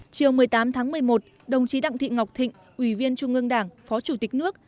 chiều một mươi tám tháng một mươi một đồng chí đặng thị ngọc thịnh ủy viên trung ương đảng phó chủ tịch nước